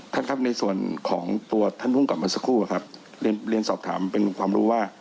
ท่านครับในส่วนของตัวท่านภูมิกลับมาสักครู่ครับเรียนเรียนสอบถามเป็นความรู้ว่า